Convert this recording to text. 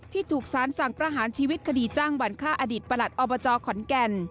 ที่ถูกสารสั่งประหารชีวิตคดีจ้างวันฆ่าอดีตประหลัดอบจขอนแก่น